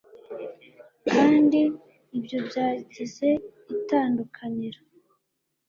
kandi ibyo byagize itandukaniro